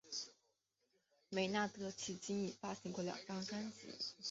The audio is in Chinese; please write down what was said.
梅纳德迄今已发行过两张专辑。